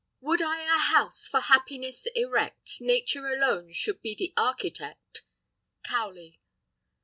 Would I a house for happiness erect, Nature alone should be the architect. Cowley.